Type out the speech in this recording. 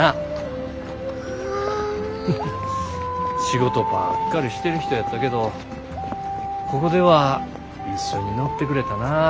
仕事ばっかりしてる人やったけどここでは一緒に乗ってくれたなぁ。